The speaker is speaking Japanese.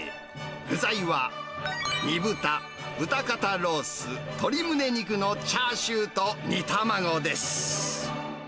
具材は煮豚、豚肩ロース、鶏むね肉のチャーシューと煮卵です。